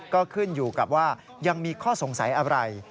ก็ขึ้นอยู่กับว่ายังมีข้อสงสัยอะไร